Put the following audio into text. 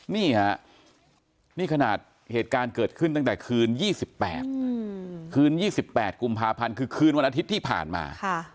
นี่ฮะนี่ขนาดเหตุการณ์เกิดขึ้นตั้งแต่คืน๒๘คืน๒๘กุมภาพันธ์คือคืนวันอาทิตย์ที่ผ่านมา